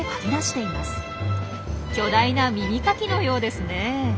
巨大な耳かきのようですね。